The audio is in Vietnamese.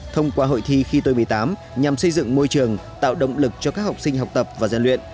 thông qua hội thi khi tôi một mươi tám nhằm xây dựng môi trường tạo động lực cho các học sinh học tập và giàn luyện